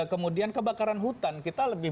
kemudian kebakaran hutan kita lebih